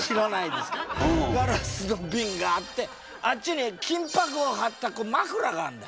ガラスのビンがあってあっちに金ぱくをはったまくらがあんだ。